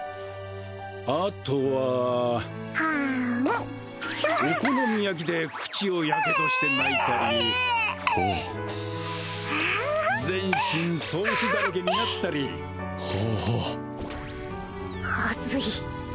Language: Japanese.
あとは・お好み焼きで口をやけどして泣いたりほう・全身ソースだらけになったりほうほうハズい